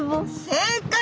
正解！